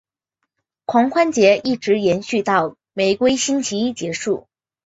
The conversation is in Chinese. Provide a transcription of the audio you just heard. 狂欢节一直延续到玫瑰星期一结束。